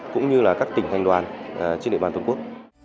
cũng như là các tỉnh thành đoàn trên địa bàn toàn quốc